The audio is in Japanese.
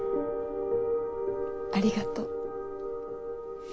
ありがとう。